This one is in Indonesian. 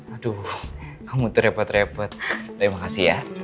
aduh kamu tuh repot repot terima kasih ya